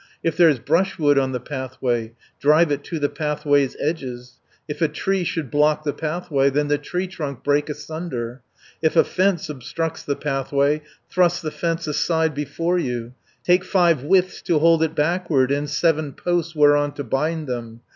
"If there's brushwood on the pathway, Drive it to the pathway's edges; If a tree should block the pathway, Then the tree trunk break asunder. 200 "If a fence obstructs the pathway, Thrust the fence aside before you, Take five withes to hold it backward, And seven posts whereon to bind them.